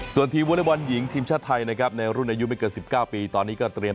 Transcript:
ส่วนทีวัลบอลหญิงทีมชาติไทยในรุ่นอายุไม่เกิน๑๙ปี